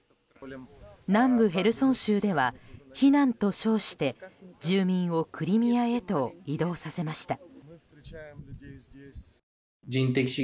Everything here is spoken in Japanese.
南部ヘルソン州では避難と称して住民をクリミアへと移動させました。